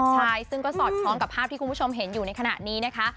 ใช่ซึ่งก็สอดคล้องกับภาพที่คุณผู้ชมเห็นอยู่ในขณะนี้นะคะ